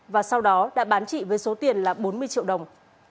và sau đó đã bán chị với số tiền là bốn mươi triệu đồng